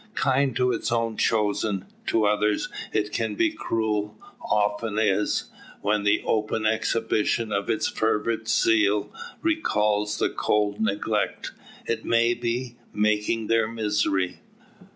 Kind to its own chosen, to others it can be cruel; often is, when the open exhibition of its fervid zeal recalls the cold neglect, it may be, making their misery.